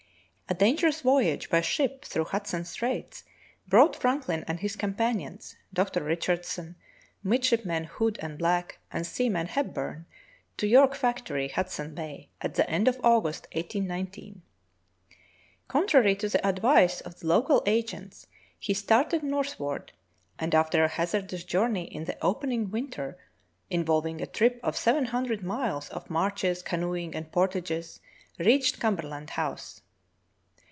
A dangerous voyage by ship through Hudson Straits brought Franklin and his companions, Dr. Richardson, Midshipmen Hood and Back, and Seaman Hepburn to York Factory, Hudson Bay, at the end of August, 1819. Franklin on the Barren Grounds 17 Contrary to the advice of the local agents, he started northward, and after a hazardous journey in the open ing winter — involving a trip of seven hundred miles of marches, canoeing, and portages — reached Cumber land House.